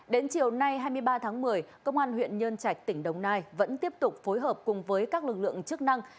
đến chiều nay hai mươi ba tháng một mươi công an huyện nhân trạch tỉnh đồng nai vẫn tiếp tục phối hợp cùng với các lực lượng chức năng